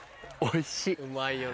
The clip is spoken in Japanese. おいしい。